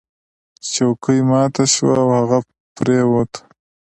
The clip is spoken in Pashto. چوکۍ ماته شوه او هغه پریوت.